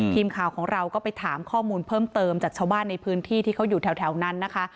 ทีมข่าวของเราก็ไปถามข้อมูลเพิ่มเติมจากชาวบ้านในพื้นที่ที่เขาอยู่แถวนั้นนะคะ